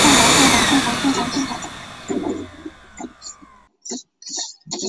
由于与各大城市公务往来密切的原因之一东营市区有多座豪华饭店及快捷旅舍。